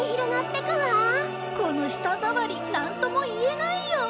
この舌触りなんとも言えないよ！